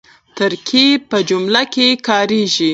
ترکیب په جمله کښي کاریږي.